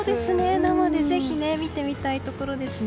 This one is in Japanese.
生でぜひ見てみたいところですね。